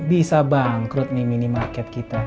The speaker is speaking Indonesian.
bisa bangkrut nih minimarket kita